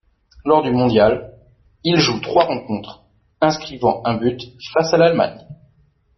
Lors du mondial, il joue trois rencontres, inscrivant un but face à l'Allemagne.